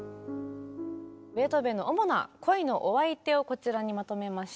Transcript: ベートーベンの主な恋のお相手をこちらにまとめました。